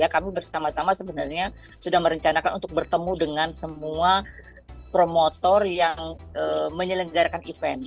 kami bersama sama sebenarnya sudah merencanakan untuk bertemu dengan semua promotor yang menyelenggarakan event